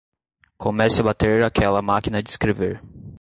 Comece a bater aquela máquina de escrever.